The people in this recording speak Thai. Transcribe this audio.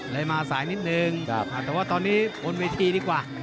เลยมาสายนิดนึงแต่ว่าตอนนี้บนเวทีดีกว่า